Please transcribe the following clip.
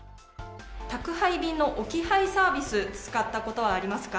宅配便の置き配サービス、使ったことはありますか。